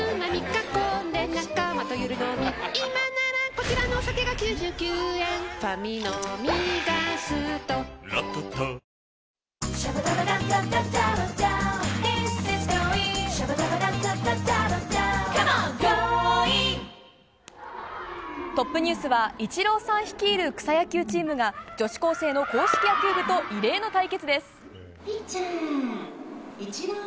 この後トップニュースはイチローさん率いる草野球チームが女子高生の硬式野球部と異例の対決です。